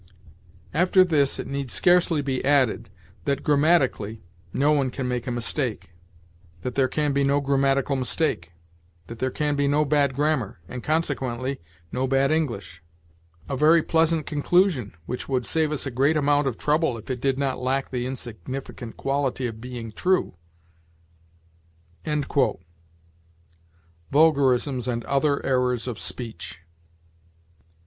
"After this, it need scarcely be added that, grammatically, no one can make a mistake, that there can be no grammatical mistake, that there can be no bad grammar, and, consequently, no bad English; a very pleasant conclusion, which would save us a great amount of trouble if it did not lack the insignificant quality of being true." "Vulgarisms and Other Errors of Speech."